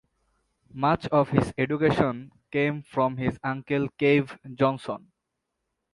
Much of his education came from his uncle Cave Johnson.